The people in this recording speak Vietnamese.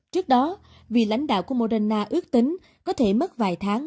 trước đó vị lãnh đạo của moderna ước tính có thể mất vài tháng